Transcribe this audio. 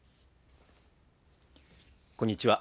こんにちは。